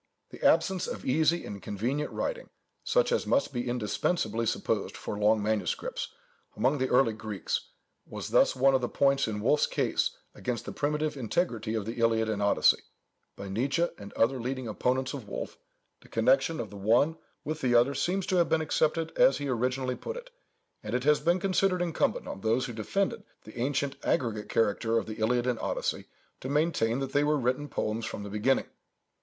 The absence of easy and convenient writing, such as must be indispensably supposed for long manuscripts, among the early Greeks, was thus one of the points in Wolf's case against the primitive integrity of the Iliad and Odyssey. By Nitzsch, and other leading opponents of Wolf, the connection of the one with the other seems to have been accepted as he originally put it; and it has been considered incumbent on those who defended the ancient aggregate character of the Iliad and Odyssey, to maintain that they were written poems from the beginning.